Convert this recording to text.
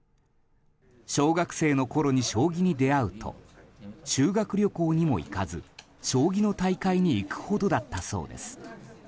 小学生のころに将棋に出会うと修学旅行にも行かず将棋の大会に行くほどだったそうです。